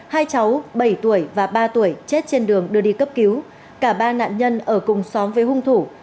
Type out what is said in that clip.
hai cháu bảy tuổi và ba tuổi chết trên đường đưa đi cấp cứu cả ba nạn nhân ở cùng xóm với hung thủ